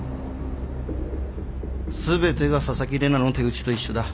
全てが紗崎玲奈の手口と一緒だ。